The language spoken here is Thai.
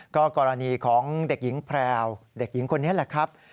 ก็กรณีของเด็กหญิงแพรวเด็กหญิงคนนี้แหละครับ